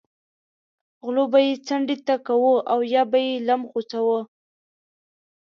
غلو به یې څنډې ته کاوه او یا به یې لم غوڅاوه.